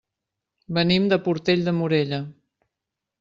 Venim de Portell de Morella.